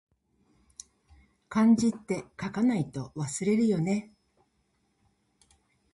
漢字って、書かないと忘れるよね